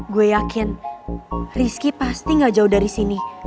gue yakin rizky pasti gak jauh dari sini